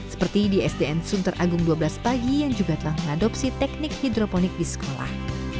seperti di sdn sunter agung dua belas pagi yang juga telah mengadopsi teknik hidroponik di sekolah